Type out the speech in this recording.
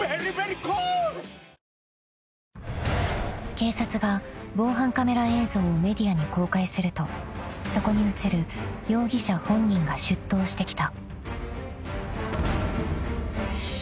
［警察が防犯カメラ映像をメディアに公開するとそこに写る容疑者本人が出頭してきた］